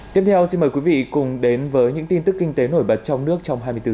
tiếp theo xin mời quý vị cùng đến với những tin tức kinh tế nổi bật trong nước